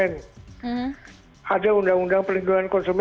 iya sangat sekali dirugikan kita sudah punya undang undang pelindungan konsumen